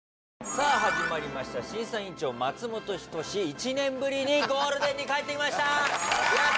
さあ始まりました「審査員長・松本人志」１年ぶりにゴールデンにかえってきました！